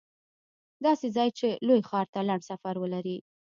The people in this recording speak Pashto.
داسې ځای چې لوی ښار ته لنډ سفر ولري